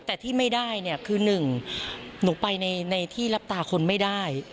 แต่ที่ไม่ได้เนี่ยคือหนึ่งหนูไปในที่รับตาคนไม่ได้